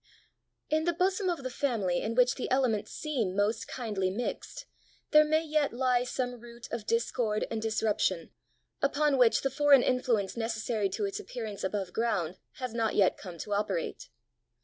In the bosom of the family in which the elements seem most kindly mixed, there may yet lie some root of discord and disruption, upon which the foreign influence necessary to its appearance above ground, has not yet come to operate.